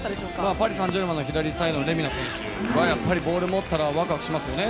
パリ・サンジェルマンのレミナ選手、ボールを持ったらワクワクしますよね。